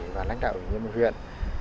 và lãnh đạo huyện huyện